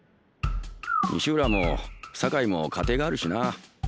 西浦も坂井も家庭があるしな。